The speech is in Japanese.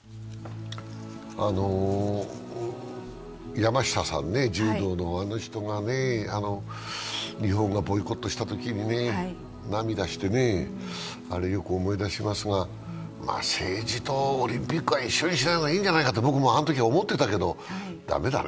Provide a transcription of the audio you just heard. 山下さん、柔道ね、あの人が日本がボイコットをしたときに涙してね、あれをよく思い出しますが政治とオリンピックは一緒にしない方がいいんじゃないかと僕もあのとき思ってたけど、駄目だね。